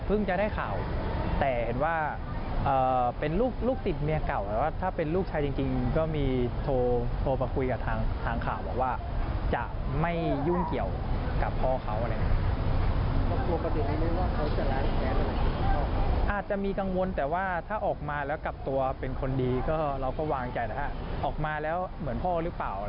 เราก็วางใจนะคะออกมาแล้วเหมือนพ่อหรือเปล่า